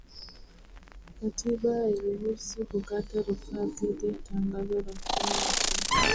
katiba hairuhusu kukata rufaa dhidi ya tangazo la tume ya uchaguzi